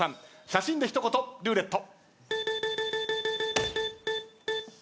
写真でルーレット